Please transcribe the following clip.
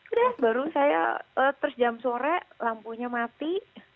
udah baru saya terus jam sore lampunya mati